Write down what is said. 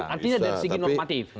artinya dari segi normatif